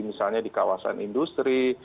misalnya di kawasan industri